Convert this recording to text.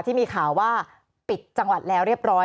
ที่มีข่าวว่าปิดจังหวัดแล้วเรียบร้อย